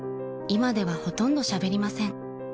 ［今ではほとんどしゃべりません］